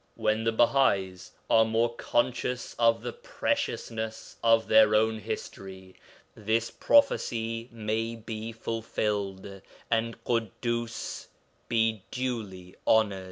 "' When the Baha'is are more conscious of the preciousness of their own history, this prophecy may be fulfilled, and Ḳuddus be duly honoured.